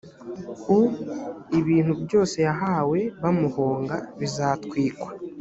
u ibintu byose yahawe bamuhonga bizatwikwa